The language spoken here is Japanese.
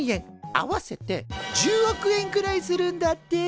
合わせて１０億円くらいするんだって。